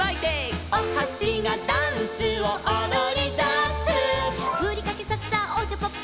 「おはしがダンスをおどりだす」「ふりかけさっさおちゃぱっぱ」